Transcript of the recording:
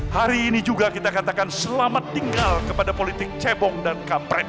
hari ini juga kita katakan selamat tinggal kepada politik cebong dan kampret